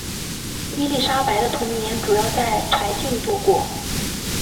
伊丽莎白的童年主要在柴郡度过。